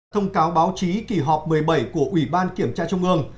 thông cáo báo chí kỳ họp một mươi bảy của ủy ban kiểm tra trung ương